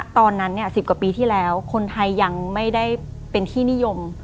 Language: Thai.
ตอนนั้น๑๐กว่าปีที่แล้วคนไทยยังไม่ได้เป็นที่นิยม